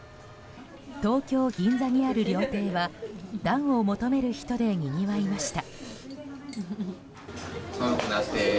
東京・銀座にある料亭は暖を求める人でにぎわいました。